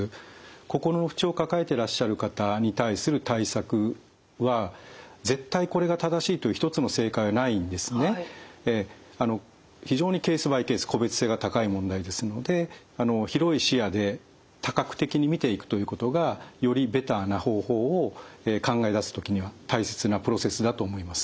心の不調を抱えていらっしゃる方に対する対策は絶対非常にケース・バイ・ケース個別性が高い問題ですので広い視野で多角的に見ていくということがよりベターな方法を考え出す時には大切なプロセスだと思います。